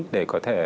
để có thể